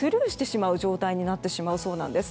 スルーしてしまう状態になってしまうそうなんです。